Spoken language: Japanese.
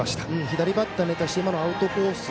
左バッターに対して今のアウトコース